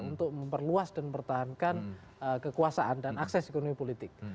untuk memperluas dan mempertahankan kekuasaan dan akses ekonomi politik